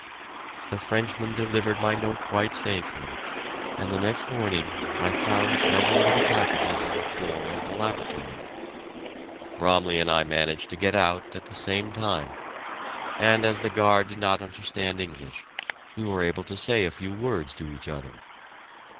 The Frenchman delivered my note quite safely, and the next morning I found several little packages on the floor of the lavatory. Bromley and I managed to get out at the same time, and as the guard did not understand English, we were able to say a few words to each other.